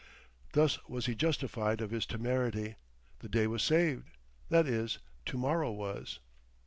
Thus was he justified of his temerity; the day was saved that is, to morrow was.